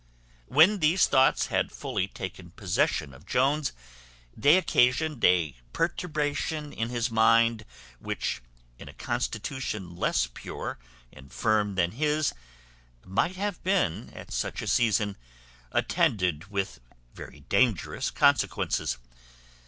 When these thoughts had fully taken possession of Jones, they occasioned a perturbation in his mind, which, in a constitution less pure and firm than his, might have been, at such a season, attended with very dangerous consequences.